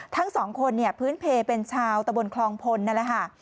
ทั้ง๒คนพื้นเพลย์เป็นชาวตะบลคลองพลนั่นแหละค่ะ